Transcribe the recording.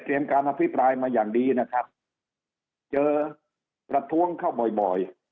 การอภิปรายมาอย่างดีนะครับเจอประท้วงเข้าบ่อยบ่อย